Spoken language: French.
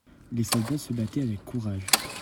Les soldats se battaient avec courage.